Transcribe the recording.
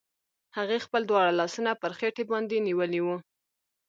هغې خپل دواړه لاسونه پر خېټې باندې نيولي وو.